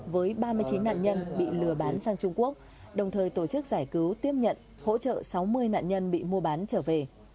với ba mươi chín nạn nhân bị lừa bán sang trung quốc đồng thời tổ chức giải cứu tiếp nhận hỗ trợ sáu mươi nạn nhân bị mua bán trở về